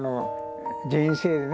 人生でね